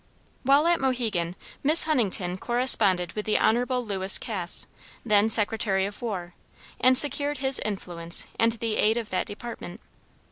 While at Mohegan, Miss Huntington corresponded with the Hon. Lewis Cass, then Secretary of War, and secured his influence and the aid of that department.